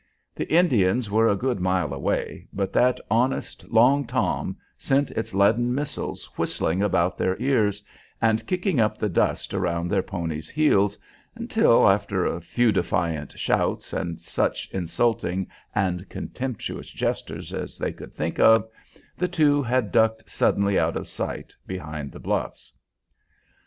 The Indians were a good mile away, but that honest "Long Tom" sent its leaden missiles whistling about their ears, and kicking up the dust around their ponies' heels, until, after a few defiant shouts and such insulting and contemptuous gestures as they could think of, the two had ducked suddenly out of sight behind the bluffs.